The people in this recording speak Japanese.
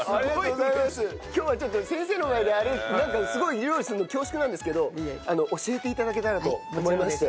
今日はちょっと先生の前で料理するの恐縮なんですけど教えて頂けたらと思いまして。